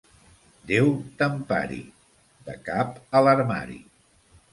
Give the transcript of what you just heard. Déu t'empari... —De cap a l'armari.